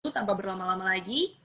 tanpa berlama lama lagi